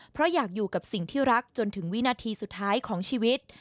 เพราะอยากอยู่กับสิ่งที่รักจนถึงวินาทีสุดท้ายของชีวิต